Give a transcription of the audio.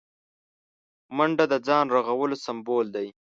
منډه د ځان رغولو سمبول دی